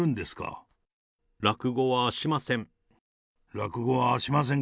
落語はしません。